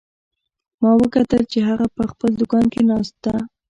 ما وکتل چې هغه په خپل دوکان کې ناست ده